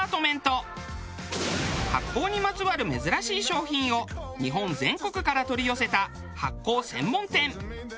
発酵にまつわる珍しい商品を日本全国から取り寄せた発酵専門店。